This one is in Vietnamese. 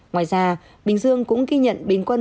ngoài ra bình dương cũng ghi nhận bình quân